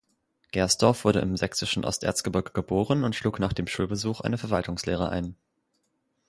Gersdorf wurde im sächsischen Osterzgebirge geboren und schlug nach dem Schulbesuch eine Verwaltungslehre ein.